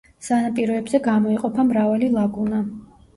სანაპიროებზე გამოიყოფა მრავალი ლაგუნა.